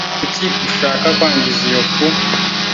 kucyi ushaka kwangiza iyo fu